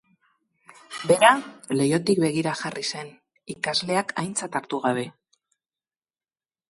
Bera leihotik begira jarri zen, ikasleak aintzat hartu gabe.